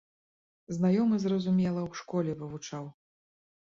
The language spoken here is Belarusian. Знаёмы, зразумела, у школе вывучаў.